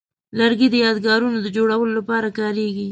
لرګی د یادګارونو د جوړولو لپاره کاریږي.